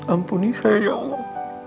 ampuni saya ya allah